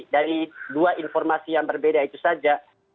dari dua informasi yang berbeda itu saja